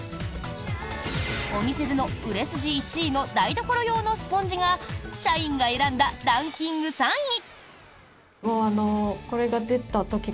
お店での売れ筋１位の台所用のスポンジが社員が選んだランキング３位。